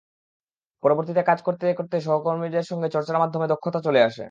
পরবর্তীতে কাজ করতে করতে সহকর্মীদের সঙ্গে চর্চার মাধ্যমে দক্ষতা চলে আসে।